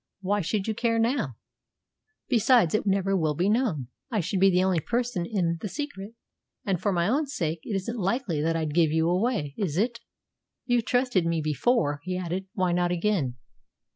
Why should you care now? Besides, it never will be known. I should be the only person in the secret, and for my own sake it isn't likely that I'd give you away. Is it? You've trusted me before," he added; "why not again?"